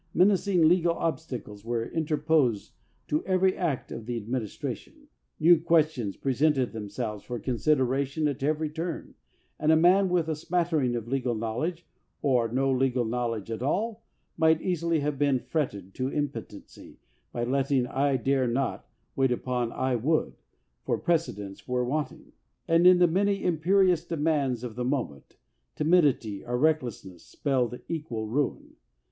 Menacing legal obstacles were interposed to every act of the ad ministration, new questions presented themselves for consideration at every turn, and a man with a smattering of legal knowledge or no legal knowl edge at all might easily have been fretted to impotency by letting I dare not wait upon I would, for precedents were wanting, and in the many imperious demands of the moment timidity or recklessness spelled equal ruin.